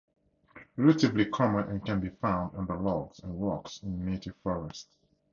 Relatively common and can be found under logs and rocks in native forest.